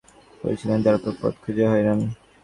ওইদিকে একটা পুকুরের ধারে গিয়ে পড়েছিলাম, তারপর পথ খুজে হয়রান।